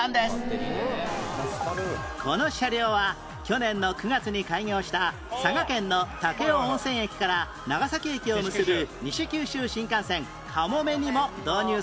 この車両は去年の９月に開業した佐賀県の武雄温泉駅から長崎駅を結ぶ西九州新幹線「かもめ」にも導入されました